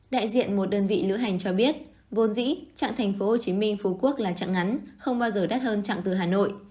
đại diện một đơn vị lữ hành cho biết vốn dĩ chặn tp hcm phú quốc là trạng ngắn không bao giờ đắt hơn chặng từ hà nội